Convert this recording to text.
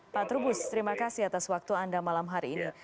pak trubus terima kasih atas waktu anda malam hari ini